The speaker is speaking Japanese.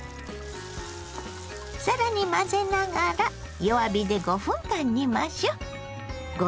更に混ぜながら弱火で５分間煮ましょう。